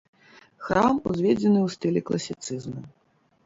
Храм узведзены ў стылі класіцызму.